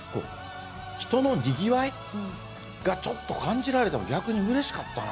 人のにぎわいがちょっと感じられたの逆にうれしかったなと思って。